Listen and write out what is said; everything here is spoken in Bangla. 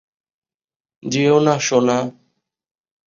যেও না, সোনা।